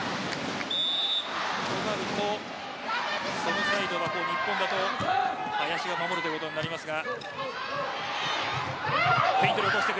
そうなるとそのサイドは今日、日本の林が守るということになりますが。